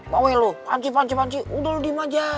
bawel lu panci panci panci udah lu dimaja